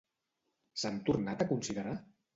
S'han tornat a considerar?